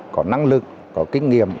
có năng lực có kinh nghiệm